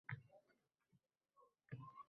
Kimligin bilmaslarga sezim, aql, ong berdi.